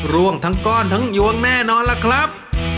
ร่วงทั้งก้อนทั้งยวงแน่นอนล่ะครับ